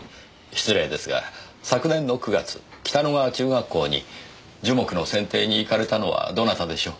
失礼ですが昨年の９月北野川中学校に樹木の剪定に行かれたのはどなたでしょう？